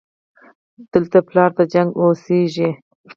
دلته پلار د جنګ اوسېږي